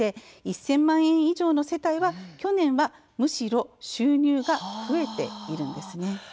１０００万円以上の世帯は去年はむしろ収入が増えているんですね。